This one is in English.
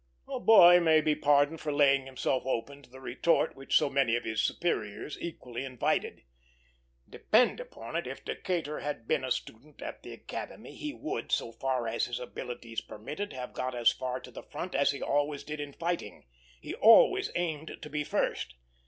A boy may be pardoned for laying himself open to the retort which so many of his superiors equally invited: "Depend upon it, if Decatur had been a student at the Academy, he would, so far as his abilities permitted, have got as far to the front as he always did in fighting. He always aimed to be first.